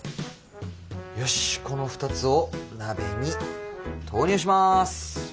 よしこの２つを鍋に投入します。